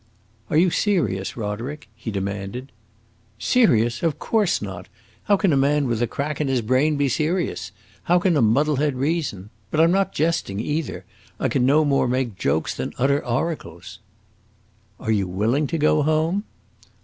"Are you serious, Roderick?" he demanded. "Serious? of course not! How can a man with a crack in his brain be serious? how can a muddlehead reason? But I 'm not jesting, either; I can no more make jokes than utter oracles!" "Are you willing to go home?"